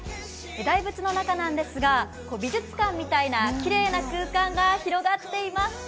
大仏の中なんですが、美術館みたいなきれいな空間が広がっています。